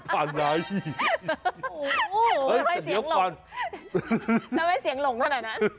ทำไมเสียงหล่งเท่านั้น